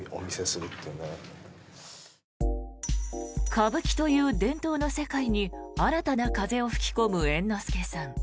歌舞伎という伝統の世界に新たな風を吹き込む猿之助さん。